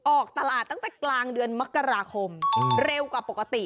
ออกตลาดตั้งแต่กลางเดือนมกราคมเร็วกว่าปกติ